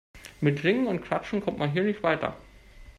Mit Singen und Klatschen kommt man hier nicht weiter.